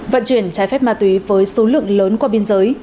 vận chuyển trái phép ma túy với số lượng lớn qua biên giới